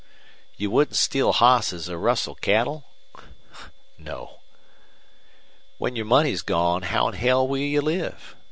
"You wouldn't steal hosses or rustle cattle?" "No." "When your money's gone how'n hell will you live?